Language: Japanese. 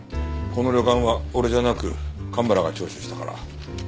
この旅館は俺じゃなく蒲原が聴取したから。